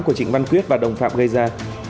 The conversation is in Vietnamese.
của trịnh văn quyết và đồng phạm gây ra